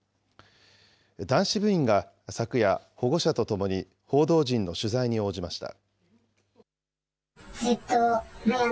男子部員が昨夜、保護者とともに、報道陣の取材に応じました。